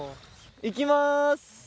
いきます。